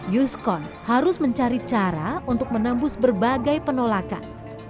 yuskon harus mencari cara untuk menembus berbagai penolakan